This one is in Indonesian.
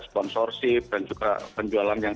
sponsorship dan juga penjualan yang